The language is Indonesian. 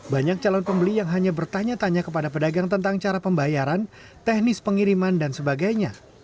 banyak calon pembeli yang hanya bertanya tanya kepada pedagang tentang cara pembayaran teknis pengiriman dan sebagainya